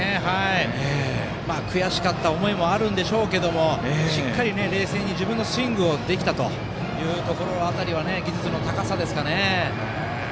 悔しかった思いもあるんでしょうけれどもしっかり冷静に自分のスイングができた辺りは技術の高さですかね。